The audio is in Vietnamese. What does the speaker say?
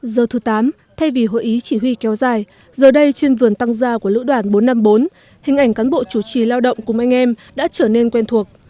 giờ thứ tám thay vì hội ý chỉ huy kéo dài giờ đây trên vườn tăng gia của lữ đoàn bốn trăm năm mươi bốn hình ảnh cán bộ chủ trì lao động cùng anh em đã trở nên quen thuộc